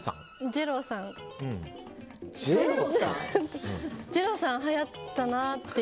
ジェロさんはやったなって。